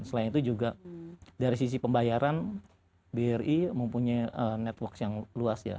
selain itu juga dari sisi pembayaran bri mempunyai networks yang luas ya